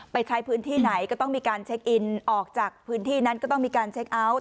ไปใช้พื้นที่ไหนก็ต้องมีการเช็คอินออกจากพื้นที่นั้นก็ต้องมีการเช็คเอาท์